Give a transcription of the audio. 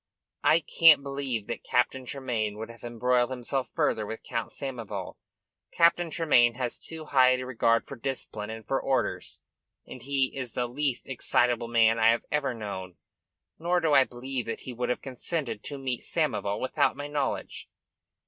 "I can't believe that Captain Tremayne would have embroiled himself further with Count Samoval. Captain Tremayne has too high a regard for discipline and for orders, and he is the least excitable man I have ever known. Nor do I believe that he would have consented to meet Samoval without my knowledge."